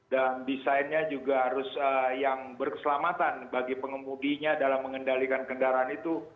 dan desainnya juga harus yang berkeselamatan bagi pengemudinya dalam mengendalikan kendaraan itu